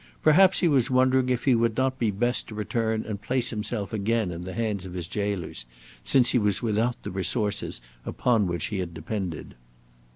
Perhaps he was wondering if it would not be best to return and place himself again in the hands of his jailers, since he was without the resources upon which he had depended.